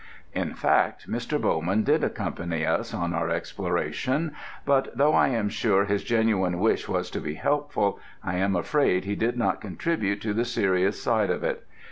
In fact, Mr. Bowman did accompany us on our exploration, but though I am sure his genuine wish was to be helpful, I am afraid he did not contribute to the serious side of it.